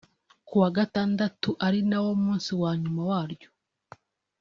Ku wa gatandatu ari na wo munsi wa nyuma waryo